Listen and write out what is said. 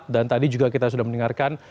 dan tadi juga kita sudah mendengarkan